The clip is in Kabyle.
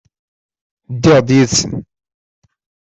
Ddiɣ-d yid-sen.